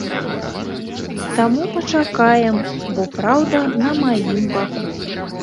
Таму пачакаем, бо праўда на маім баку.